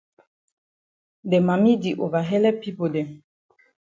De mami di ova helep pipo dem.